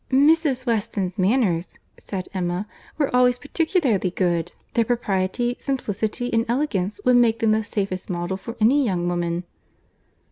"Mrs. Weston's manners," said Emma, "were always particularly good. Their propriety, simplicity, and elegance, would make them the safest model for any young woman."